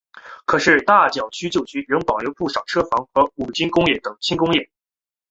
可是大角咀旧区仍然保留不少车房和五金工程等轻工业。